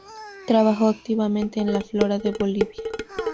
Trabajó activamente en la flora de Bolivia.